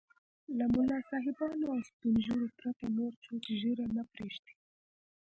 له ملا صاحبانو او سپين ږيرو پرته نور څوک ږيره نه پرېږدي.